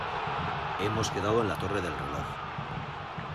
Hemos quedado en la torre del reloj.